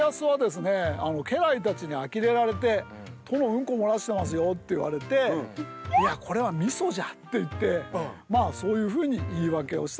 家来たちにあきれられて「殿うんこ漏らしてますよ」って言われて「いやこれはみそじゃ」って言ってそういうふうに言い訳をしたというふうにいわれてます。